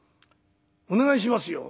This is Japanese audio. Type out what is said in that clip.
お願いしますよ」。